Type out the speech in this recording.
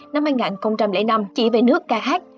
năm hai nghìn năm chỉ về nước ca hát